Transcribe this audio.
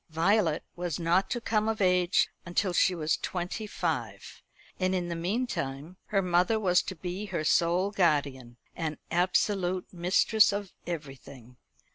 Violet was not to come of age until she was twenty five, and in the meantime her mother was to be her sole guardian, and absolute mistress of everything.